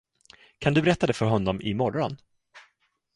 Kan du berätta det för honom i morgon?